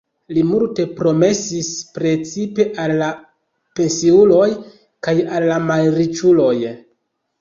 Li multe promesis precipe al la pensiuloj kaj al la malriĉuloj.